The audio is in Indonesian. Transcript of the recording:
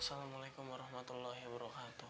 assalamualaikum warahmatullahi wabarakatuh